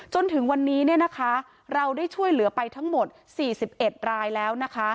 จนถึงวันนี้เราได้ช่วยเหลือไปทั้งหมด๔๑รายแล้วนะคะ